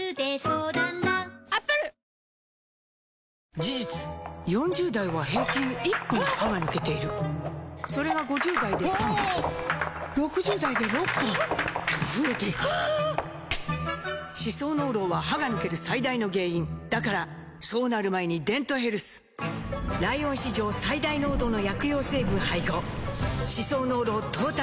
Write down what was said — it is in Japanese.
事実４０代は平均１本歯が抜けているそれが５０代で３本６０代で６本と増えていく歯槽膿漏は歯が抜ける最大の原因だからそうなる前に「デントヘルス」ライオン史上最大濃度の薬用成分配合歯槽膿漏トータルケア！